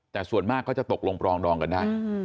แต่ส่วนมากก็จะตกลงปรองดองกันได้